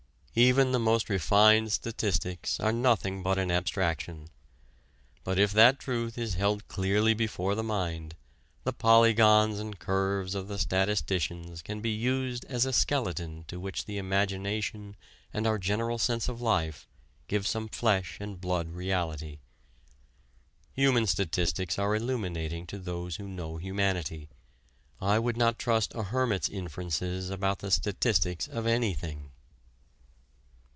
Even the most refined statistics are nothing but an abstraction. But if that truth is held clearly before the mind, the polygons and curves of the statisticians can be used as a skeleton to which the imagination and our general sense of life give some flesh and blood reality. Human statistics are illuminating to those who know humanity. I would not trust a hermit's inferences about the statistics of anything.